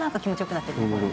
なってる。